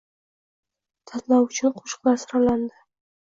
Tanlov uchun qo‘shiqlar saralandi